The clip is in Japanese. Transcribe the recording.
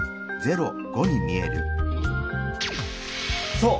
そう！